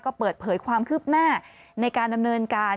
ก็เปิดเผยความคืบหน้าในการดำเนินการ